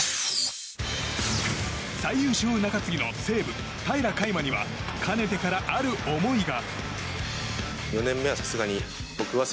最優秀中継ぎの平良海馬にはかねてからある思いが。